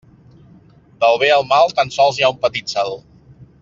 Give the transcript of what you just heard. Del bé al mal tan sols hi ha un petit salt.